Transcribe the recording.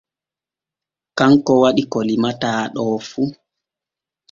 Kanko waɗi ko limtaa ɗo fu.